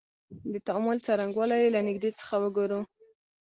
د تعامل څرنګوالی یې له نیږدې څخه وګورو.